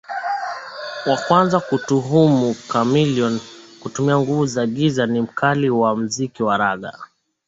wa kwanza kumtuhumu Chameleone kutumia nguvu za giza ni mkali wa muziki wa raga